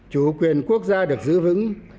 chủ quyền quốc gia được giữ vững